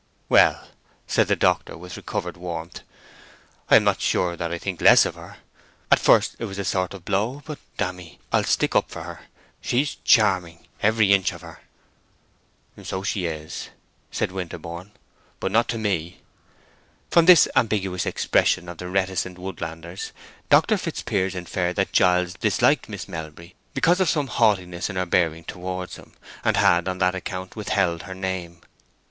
"Well," said the doctor, with recovered warmth, "I am not so sure that I think less of her. At first it was a sort of blow; but, dammy! I'll stick up for her. She's charming, every inch of her!" "So she is," said Winterborne, "but not to me." From this ambiguous expression of the reticent woodlander's, Dr. Fitzpiers inferred that Giles disliked Miss Melbury because of some haughtiness in her bearing towards him, and had, on that account, withheld her name.